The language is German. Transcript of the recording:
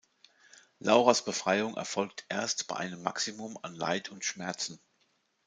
Lauras Befreiung erfolgt erst bei einem Maximum an Leid und Schmerzen.